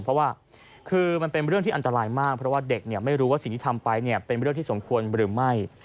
เพราะว่าคือมันเป็นเรื่องที่อันตรายมากเพราะว่าเด็กไม่รู้ว่าสิ่งที่ทำไปเป็นเรื่องที่สมควรหรือไม่